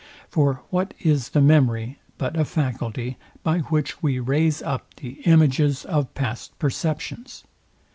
For what is the memory but a faculty, by which we raise up the images of past perceptions?